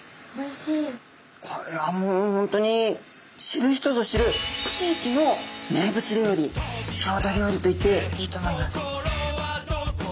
これはもう本当に知る人ぞ知る地域の名物料理郷土料理と言っていいと思います。